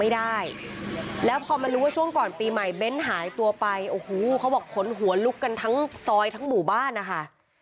ไม่ได้แล้วพอมารู้ว่าช่วงก่อนปีใหม่เบ้นหายตัวไปโอ้โหเขาบอกขนหัวลุกกันทั้งซอยทั้งหมู่บ้านนะคะ